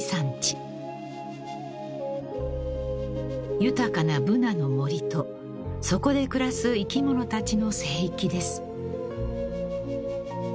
［豊かなブナの森とそこで暮らす生き物たちの聖域です］